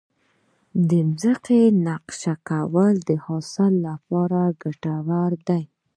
د ځمکې نقشه کول د حاصل لپاره ګټور دي.